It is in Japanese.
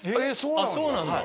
あっそうなんだ。